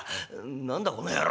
「何だこの野郎」。